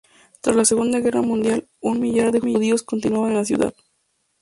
Tras la Segunda Guerra Mundial, un millar de judíos continuaban en la ciudad.